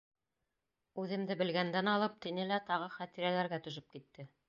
— Үҙемде белгәндән алып, — тине лә тағы хәтирәләргә төшөп китте.